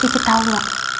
tapi tau gak